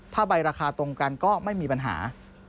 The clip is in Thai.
ถ้าใบราคาตรงกันก็ไม่มีปัญหา